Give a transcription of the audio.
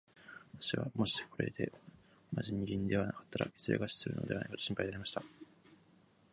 私はもしこれで同じ人間に出会わなかったら、いずれ餓死するのではないかと心配になりました。